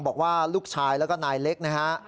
บอกว่าลูกชายแล้วก็นายเล็กนะฮะ